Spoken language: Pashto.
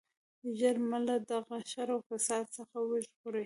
ژر مو له دغه شر او فساد څخه وژغورئ.